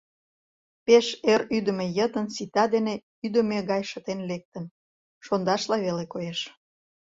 Пеш эр ӱдымӧ йытын сита дене ӱдымӧ гай шытен лектын, шондашла веле коеш.